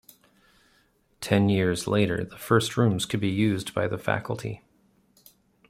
Ten years later, the first rooms could be used by the faculty.